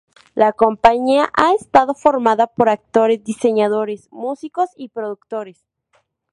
La compañía ha estado formada por actores, diseñadores, músicos y productores.